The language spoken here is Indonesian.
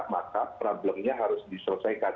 maka problemnya harus diselesaikan